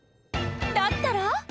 だったら？